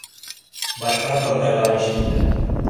— Башҡа ҡыҙҙарҙан ишеттем.